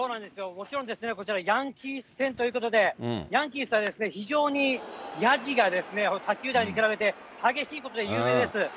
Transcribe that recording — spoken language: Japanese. もちろんこちら、ヤンキース戦ということで、ヤンキースは非常にやじが他球団に比べて激しいことで有名です。